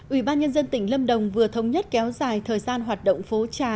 ủy ban nhân dân tỉnh lâm đồng vừa thống nhất kéo dài thời gian hoạt động phố trà